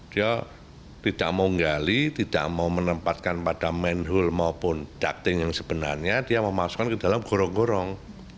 dia tidak mau gali tidak mau menempatkan pada manhole maupun ducting yang sebenarnya dia memasukkan ke dalam gorong gorong